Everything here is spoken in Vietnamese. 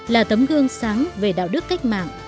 là tấm gương sáng về đạo đức cách mạng